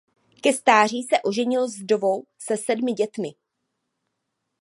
Ke stáří se oženil s vdovou se sedmi dětmi.